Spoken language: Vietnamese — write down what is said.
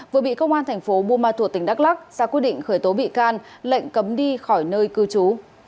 vừa bị công an thành phố buôn ma thuột tỉnh đắk lắc ra quyết định khởi tố bị can lệnh cấm đi khỏi nơi cư trú